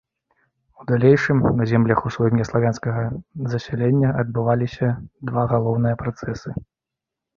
У далейшым, на землях усходнеславянскага засялення адбываліся два галоўныя працэсы.